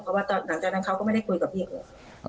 เพราะว่าหลังจากนั้นเขาก็ไม่ได้คุยกับพี่เขา